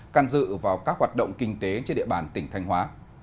can dự vào các hoạt động kinh tế trên địa bàn tỉnh thanh hóa